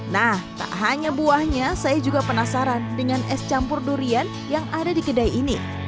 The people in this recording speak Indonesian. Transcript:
nah tak hanya buahnya saya juga penasaran dengan es campur durian yang ada di kedai ini